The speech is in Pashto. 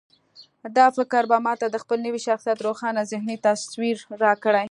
دا فکر به ما ته د خپل نوي شخصيت روښانه ذهني تصوير راکړي.